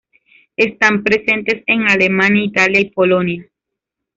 Están presentes en Alemania, Italia y Polonia.